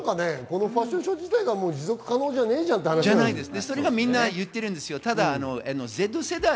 ファッションショー自体が持続可能じゃねえじゃんって話ですよね。